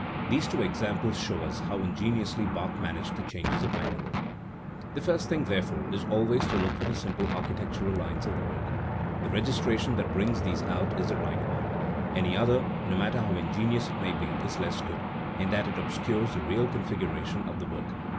These two examples show us how in geniously Bach managed the changes of manual. The first thing, therefore, is always to look for the simple architectural lines of the work. The registration that brings these out is the right one; any other, no matter how in genious it may be, is less good, in that it obscures the real configuration of the work.